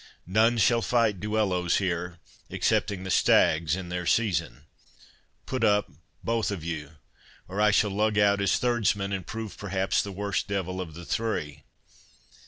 None shall fight duellos here, excepting the stags in their season. Put up, both of you, or I shall lug out as thirdsman, and prove perhaps the worst devil of the three!